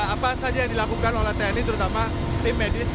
apa saja yang dilakukan oleh tni terutama tim medis